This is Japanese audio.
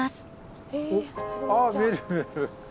ああ見える見える。